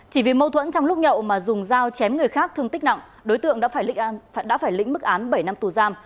chỉ vì mâu thuẫn trong lúc nhậu mà dùng dao chém người khác thương tích nặng đối tượng đã phải lĩnh mức án bảy năm tù giam